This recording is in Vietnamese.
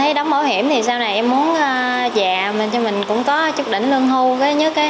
thấy đóng bảo hiểm thì sau này em muốn dạ mình cho mình cũng có chút đỉnh lương hưu cái nhất cái